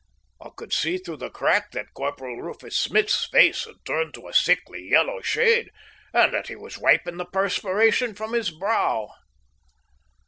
I could see through the crack that Corporal Rufus Smith's face had turned to a sickly yellow shade, and that he was wiping the perspiration from his brow.